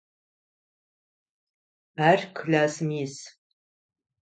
Ар классым ис.